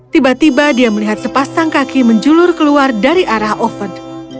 tiba tiba dia melihat sepasang kaki menjulur keluar dari arah oven